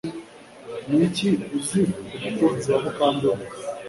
Niki uzi ku mukunzi wa Mukandoli